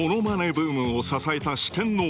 ブームを支えた四天王。